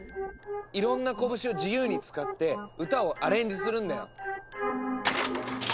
いろんなこぶしを自由に使って歌をアレンジするんだよ。